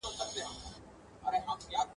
راڅخه غواړي